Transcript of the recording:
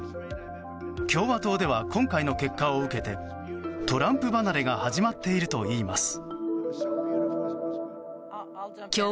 共和党では今回の結果を受けてトランプ離れが始まっているといいます。